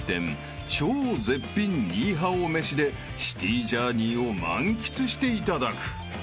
［超絶品ニーハオ飯でシティジャーニーを満喫していただく］